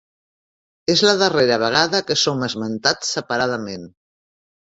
És la darrera vegada que són esmentats separadament.